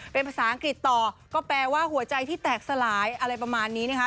เป็นภาษาอังกฤษต่อก็แปลว่าหัวใจที่แตกสลายอะไรประมาณนี้นะคะ